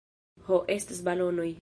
Ho estas balonoj